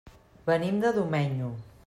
Venim de Domenyo.